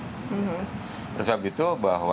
oleh sebab itu bahwa